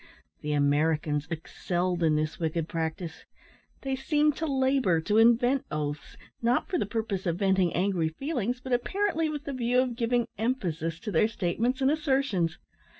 The Americans excelled in this wicked practice. They seemed to labour to invent oaths, not for the purpose of venting angry feelings, but apparently with the view of giving emphasis to their statements and assertions.